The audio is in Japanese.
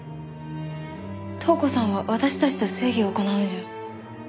塔子さんは私たちと正義を行うんじゃ？